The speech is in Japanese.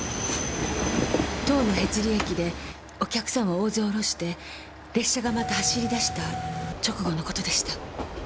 塔のへつり駅でお客さんを大勢降ろして列車がまた走り出した直後のことでした。